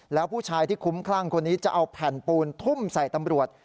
แล้วผู้ชายที่คุ้มคลั่งคนนี้จะเอาแผ่นปูนทุ่มใส่ตำรวจ